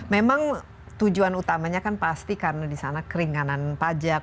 memang tujuan utamanya kan pasti karena disana keringanan pajak